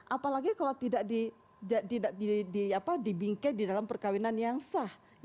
apalagi kalau tidak dibingkai dalam perkawinan yang sah